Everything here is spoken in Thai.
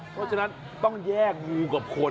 เพราะฉะนั้นต้องแยกงูกับคน